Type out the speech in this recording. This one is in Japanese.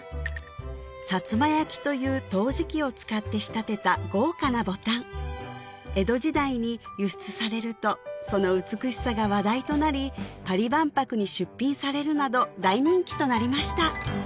薩摩焼という陶磁器を使って仕立てた豪華なボタン江戸時代に輸出されるとその美しさが話題となりパリ万博に出品されるなど大人気となりました